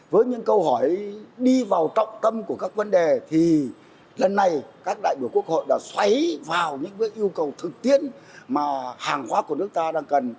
với những câu hỏi đi vào trọng tâm của các vấn đề thì lần này các đại biểu quốc hội đã xoáy vào những yêu cầu thực tiễn mà hàng hóa của nước ta đang cần